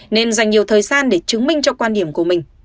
nên dành nhiều thời gian để chứng minh cho quan điểm của mình